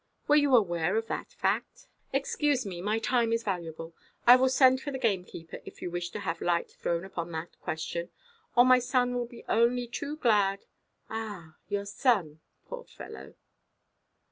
Were you aware of that fact?" "Excuse me; my time is valuable. I will send for the gamekeeper, if you wish to have light thrown upon that question; or my son will be only too glad——" "Ah, your son! Poor fellow!"